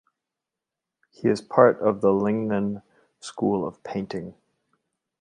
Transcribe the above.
He is part of the Lingnan School of painting.